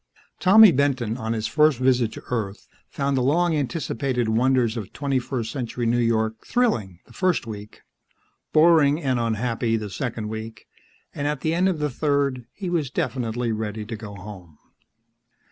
Tommy Benton, on his first visit to Earth, found the long anticipated wonders of twenty first century New York thrilling the first week, boring and unhappy the second week, and at the end of the third he was definitely ready to go home.